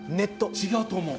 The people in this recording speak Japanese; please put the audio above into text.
違うと思う。